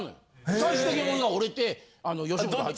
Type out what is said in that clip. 最終的に俺が折れて吉本入った。